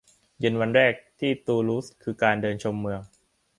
เย็นวันแรกที่ตูลูสคือการเดินชมเมือง